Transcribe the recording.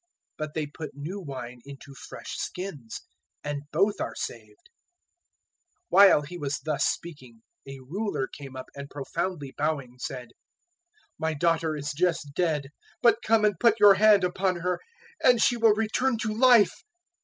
But they put new wine into fresh skins, and both are saved." 009:018 While He was thus speaking, a Ruler came up and profoundly bowing said, "My daughter is just dead; but come and put your hand upon her and she will return to life."